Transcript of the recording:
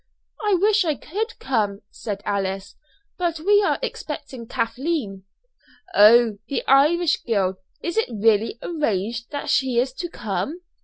"I wish I could come," said Alice; "but we are expecting Kathleen." "Oh, the Irish girl! Is it really arranged that she is to come?"